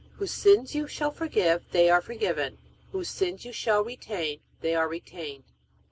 Whose sins you shall forgive, they are forgiven them; whose sins you shall retain, they are retained."